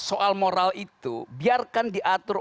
soal moral itu biarkan diatur